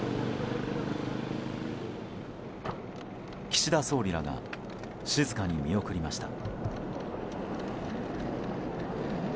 岸田総理らが静かに見送りました。